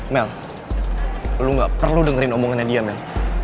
mel lu gak perlu dengerin omongannya dia mel